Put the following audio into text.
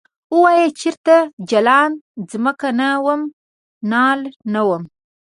ووایه چرته جلان ځمکه نه وم نال نه وم ؟